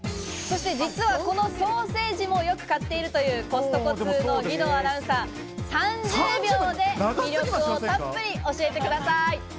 このソーセージもよく買っているというコストコ通の義堂アナ、３０秒で魅力をたっぷり教えてください。